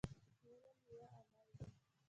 د علم ميوه عمل دی.